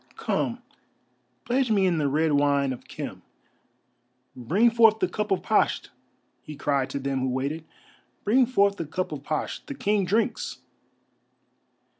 Come, pledge me in the red wine of Khem. Bring forth the cup of Pasht!" he cried to them who waited, "bring forth the cup of Pasht, the King drinks!"